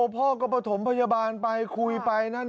พ่อก็ประถมพยาบาลไปคุยไปนั่น